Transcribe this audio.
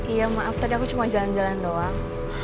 iya maaf tadi aku cuma jalan jalan doang